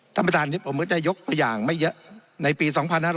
ต่างประจานที่ผมก็ได้ยกไปอย่างไม่เยอะในปี๒๕๖๔